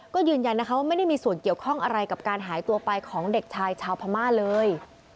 ก็ยืนยันนะคะว่าไม่ได้มีส่วนเกี่ยวข้องอะไรกับการหายตัวไปของเด็กชายชาวพม่าเลย